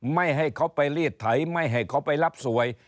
ไม่ให้เขาไปรีดไถไม่ให้เขาไปรับสวย